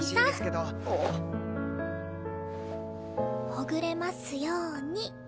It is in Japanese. ほぐれますように。